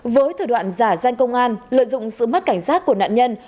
với thời đoạn giả danh công an lợi dụng sự mất cảnh sát của nạn nhân